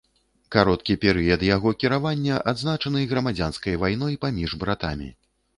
Кароткі перыяд яго кіравання адзначаны грамадзянскай вайной паміж братамі.